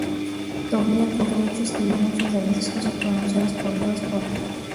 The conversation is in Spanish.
Togliatti, de hecho, escribió muchos de los discursos pronunciados por Díaz.